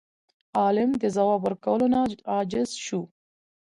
عالم د ځواب ورکولو نه عاجز شو.